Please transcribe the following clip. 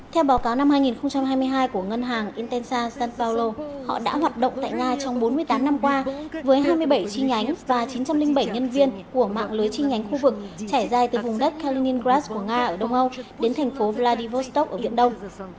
theo báo cáo năm hai nghìn hai mươi hai của ngân hàng intensa sapalo họ đã hoạt động tại nga trong bốn mươi tám năm qua với hai mươi bảy chi nhánh và chín trăm linh bảy nhân viên của mạng lưới chi nhánh khu vực trải dài từ vùng đất kaliningrad của nga ở đông âu đến thành phố vladivostok ở viện đông